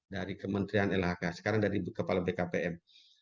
dari kementerian lhk sekarang dari kepala bkpm